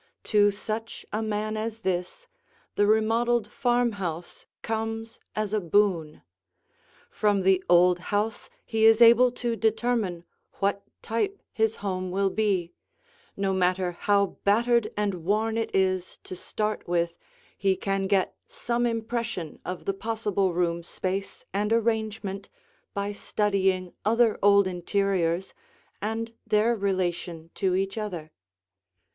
To such a man as this, the remodeled farmhouse comes as a boon. From the old house he is able to determine what type his home will be; no matter how battered and worn it is to start with, he can get some impression of the possible room space and arrangement by studying other old interiors and their relation to each other.